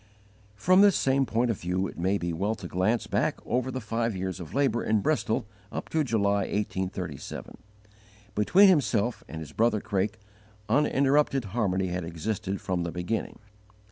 From this same point of view it may be well to glance back over the five years of labour in Bristol up to July, 1837. Between himself and his brother Craik uninterrupted harmony had existed from the beginning.